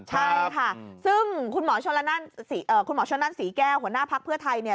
ใช่ค่ะซึ่งคุณหมอชนนั่นศรีแก้วหัวหน้าภักดิ์เพื่อไทย